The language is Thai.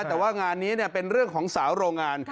แต่ว่างานนี้เป็นเรื่องของสาวโรงงาน